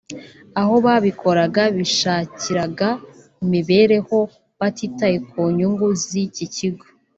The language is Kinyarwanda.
Aho babikoraga bishakiraga imibereho batitaye ku nyungu z’iki kigo